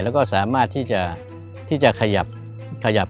แล้วก็สามารถที่จะขยับ